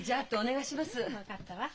分かったわ。